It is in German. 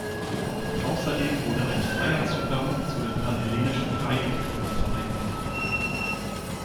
Außerdem wurde ein freier Zugang zu den panhellenischen Heiligtümern vereinbart.